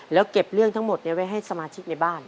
แล้วเก็บเรื่องทั้งหมดไว้ให้สมาชิกในบ้าน